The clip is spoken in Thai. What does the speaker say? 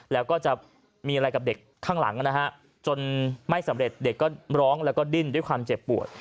แล้วก็จะมีอะไรกับเด็กข้างหลังนะฮะจนไม่สำเร็จเด็กก็ร้องแล้วก็ดิ้นด้วยความเจ็บปวด